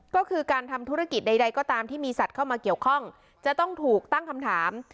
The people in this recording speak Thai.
ก็คือการทำธุรกิจใดก็ตามที่มีสัตว์เข้ามาเกี่ยวข้องจะต้องถูกตั้งคำถาม